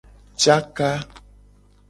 Caka.